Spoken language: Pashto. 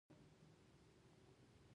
احمد د خلکو ترمنځ خنډونه پرې کوي.